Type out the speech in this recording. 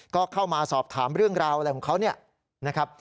ก็เข้ามาสอบถามเรื่องราวอะไรของเขา